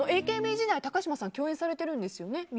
ＡＫＢ時代、高嶋さんは共演されてるんですよね？